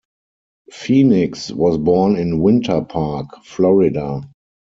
Phoenix was born in Winter Park, Florida.